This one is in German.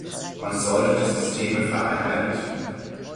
Man sollte die Systeme vereinheitlichen.